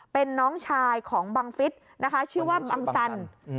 เป็นน้องชายของบังฟิศนะคะชื่อว่าบังสัน